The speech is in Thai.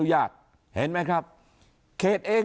เขาก็ไปร้องเรียน